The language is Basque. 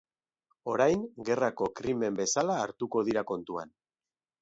Orain gerrako krimen bezala hartuko dira kontuan.